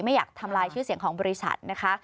ไม่อยากทำลายชื่อเสียงของบริษัทนะคะ